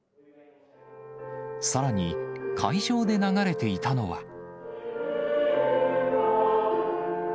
さらに、会場で流れていたのは。